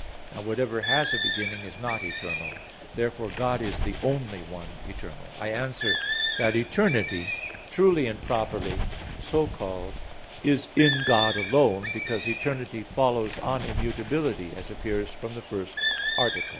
Now whatever has a beginning, is not eternal. Therefore God is the only one eternal. I answer that, Eternity truly and properly so called is in God alone, because eternity follows on immutability; as appears from the first article.